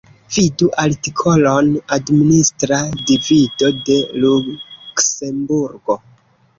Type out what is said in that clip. Vidu artikolon Administra divido de Luksemburgo.